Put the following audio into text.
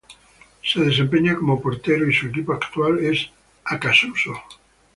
Se desempeña como portero y su equipo actual es Acassuso.